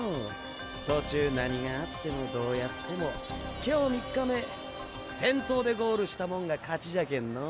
途中何があってもどうやっても今日３日目先頭でゴールしたもんが勝ちじゃけんのう。